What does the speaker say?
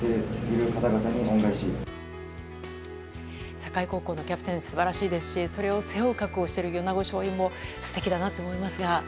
境高校のキャプテン素晴らしいですしそれを背負う覚悟をしている米子松蔭も素敵だなと思いますが。